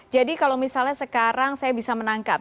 kalau misalnya sekarang saya bisa menangkap